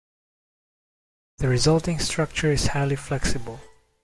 The resulting structure is highly flexible.